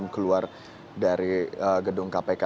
keluar dari gedung kpk